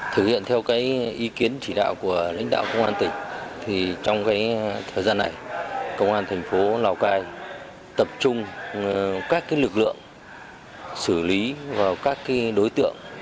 thực hiện theo ý kiến chỉ đạo của lãnh đạo công an tỉnh trong thời gian này công an thành phố lào cai tập trung các lực lượng xử lý và các đối tượng